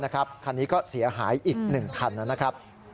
คันนี้ก็เสียหายอีกหนึ่งคันนั้นนะครับ